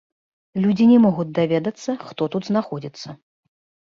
Людзі не могуць даведацца, хто тут знаходзіцца.